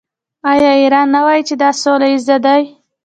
آیا ایران نه وايي چې دا سوله ییز دی؟